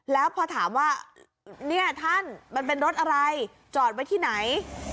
แล้วพอถามว่าเนี่ยท่านมันเป็นรถอะไรจอดไว้ที่ไหน